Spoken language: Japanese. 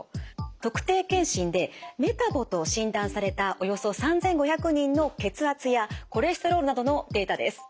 特定健診でメタボと診断されたおよそ３，５００人の血圧やコレステロールなどのデータです。